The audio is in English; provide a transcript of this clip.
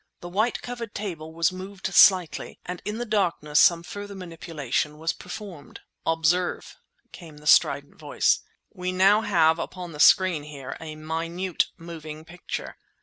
The white covered table was moved slightly, and in the darkness some further manipulation was performed. "Observe," came the strident voice—"we now have upon the screen here a minute moving picture.